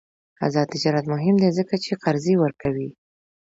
آزاد تجارت مهم دی ځکه چې قرضې ورکوي.